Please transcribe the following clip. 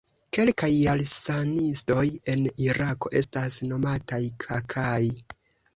Kelkaj Jarsanistoj en Irako estas nomataj "Kaka'i".